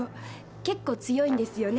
結構強いんですよね。